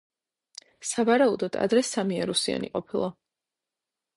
სავარაუდოდ ადრე სამიარუსიანი ყოფილა.